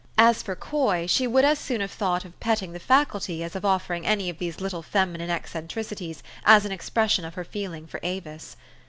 As for Coy, she would as soon have thought of petting the Faculty as of offering any of these little feminine eccentrici ties as an expression of her feeling for Avis.